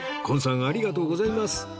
今さんありがとうございます